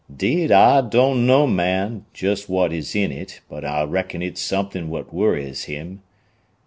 "'Deed, I doan know, man, jest what is in it, but I reckon it's something what worries him.